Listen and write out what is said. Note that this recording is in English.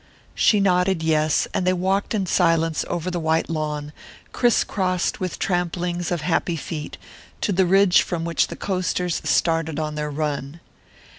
She nodded "yes," and they walked in silence over the white lawn, criss crossed with tramplings of happy feet, to the ridge from which the coasters started on their run.